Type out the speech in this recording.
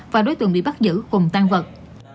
và đối tượng bị bắt giữ cùng tan vật